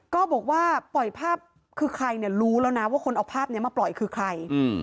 ก็บอกว่าปล่อยภาพคือใครเนี่ยรู้แล้วนะว่าคนเอาภาพนี้มาปล่อยคือใคร